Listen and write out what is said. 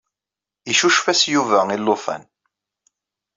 Icucef-as Yuba i llufan.